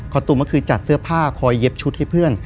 ตูมก็คือจัดเสื้อผ้าคอยเย็บชุดให้เพื่อน